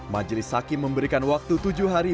majelis hakim memberikan waktu tujuh hari